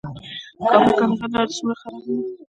د کابل - کندهار لاره څومره خرابه ده؟